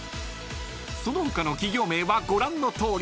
［その他の企業名はご覧のとおり］